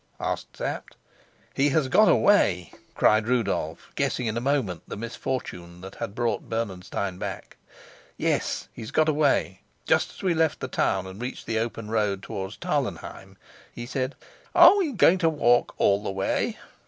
asked Sapt. "He has got away?" cried Rudolf, guessing in a moment the misfortune that had brought Bernenstein back. "Yes, he's got away. Just as we left the town and reached the open road towards Tarlenheim, he said, 'Are we going to walk all the way?